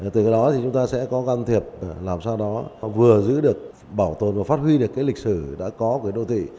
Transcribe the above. từ đó chúng ta sẽ có can thiệp làm sao đó vừa giữ được bảo tồn và phát huy được lịch sử đã có của đô thị